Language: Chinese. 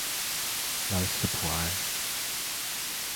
莱斯普埃。